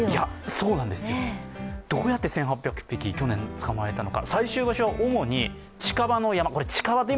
そうなんですよ、どうやって１８００匹、去年捕まえたのか。